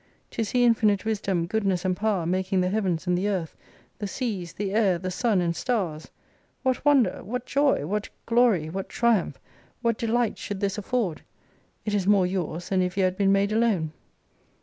To see infinite wisdom goodness and power making the heavens and the earth, the seas, the air, the sun and stars ! What wonder, what joy, what glory, what triumph, what delight should this afford ! It is more yours than if you had been made alone.